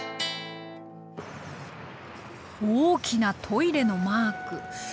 大きなトイレのマーク。